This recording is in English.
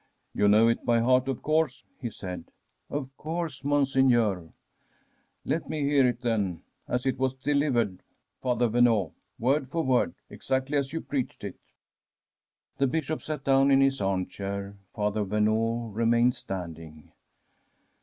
' You know it by heart, of course ?' he said. '' Of course, Monseigneur.' ' Let me hear it, then, as it was delivered. Father Verneau, word for word, exactly as you preached it.' The Bishop sat down in his arm chair. Father Verneau remained standing.